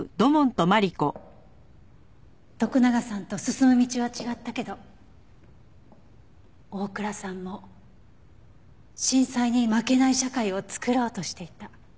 徳永さんと進む道は違ったけど大倉さんも震災に負けない社会を作ろうとしていた。